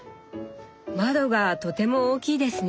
窓がとても大きいですね。